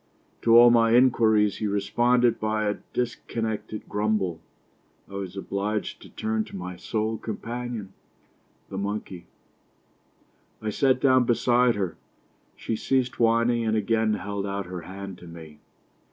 To all my inquiries he responded by a dis connected grumble. I was obliged to turn to my sole companion, the monkey. I sat down beside her ; she ceased whining, and again held out her hand to me.